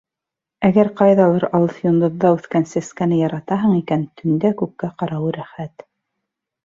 Әгәр, ҡайҙалыр алыҫ йондоҙҙа үҫкән сәскәне яратаһың икән, төндә күккә ҡарауы рәхәт.